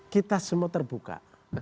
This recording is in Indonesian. kita semua terbuka